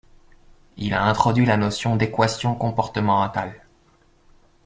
Il a introduit la notion d'équation comportementale.